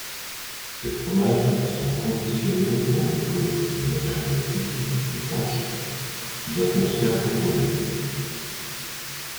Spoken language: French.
Ces fromages sont conditionnés dans une coque de matière plastique étanche, sous atmosphère contrôlée.